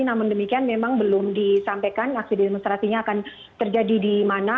namun demikian memang belum disampaikan aksi demonstrasinya akan terjadi di mana